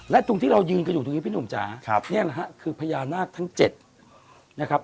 และตรงที่เรายืนกันอยู่ตรงนี้พี่หนุ่มจ๋านี่แหละฮะคือพญานาคทั้ง๗นะครับ